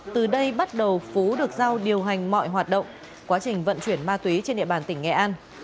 từ đây bắt đầu phú được giao điều hành mọi hoạt động quá trình vận chuyển ma túy trên địa bàn tỉnh nghệ an